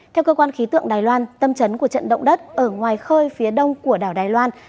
theo cơ quan khí tượng đài loan tâm trấn của trận động đất ở ngoài khơi phía đông của đảo đài loan